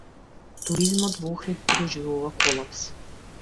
Туризмот во Охрид доживува колапс.